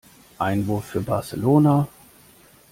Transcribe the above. Einwurf für Barcelona.